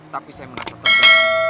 tapi saya merasa terburu buru